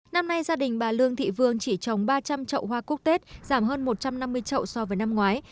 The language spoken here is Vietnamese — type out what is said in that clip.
năm nay gia đình bà lương thị vương chỉ trồng ba trăm linh trậu hoa quốc tết giảm hơn một trăm năm mươi trậu so với năm ngoái